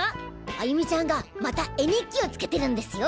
歩美ちゃんがまた絵日記をつけてるんですよ。